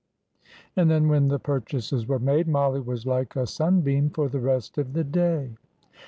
And then, when the purchases were made, Mollie was like a sunbeam for the rest of the day.